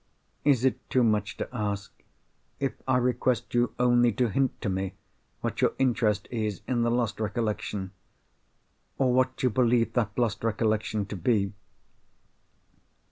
Is it too much to ask, if I request you only to hint to me what your interest is in the lost recollection—or what you believe that lost recollection to be?"